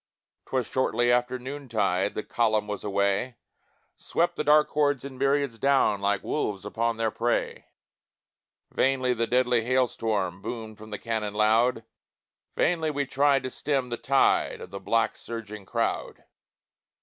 "'Twas shortly after noontide, The column was away; Swept the dark hordes in myriads down Like wolves upon their prey; Vainly the deadly hailstorm Boomed from the cannon loud Vainly we tried to stem the tide Of the black surging crowd.